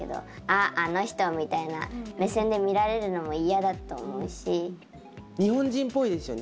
「あっあの人！」みたいな目線で見られるのも嫌だと思うし。